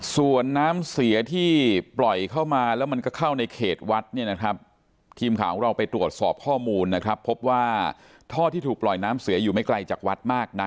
ส่วนน้ำเสียที่ไปและเข้าในเขดวัดพิมพ์เขาไปตรวจสอบรวมทางห้อความน้ำเสียไม่ไกลจากวัดมาก